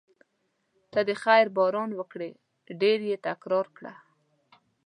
ته د خیر باران وکړې ډېر یې تکرار کړه.